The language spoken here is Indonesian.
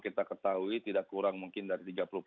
kita ketahui tidak kurang mungkin dari